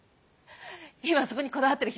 今そこにこだわってる